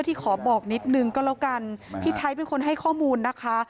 ที่ขอบอกนิดนึงก็แล้วกันพี่ไทยเป็นคนให้ข้อมูลนะคะ